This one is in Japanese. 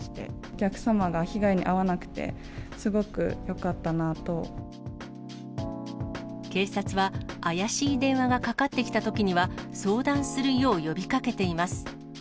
お客様が被害に遭わなくてすごく警察は、怪しい電話がかかってきたときには、相談するよう呼びかけています。